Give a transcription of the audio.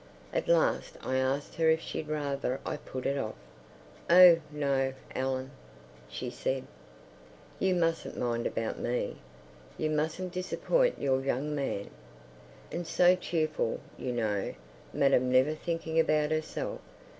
At last I asked her if she'd rather I put it off. "Oh no, Ellen," she said, "you mustn't mind about me. You mustn't disappoint your young man." And so cheerful, you know, madam, never thinking about herself.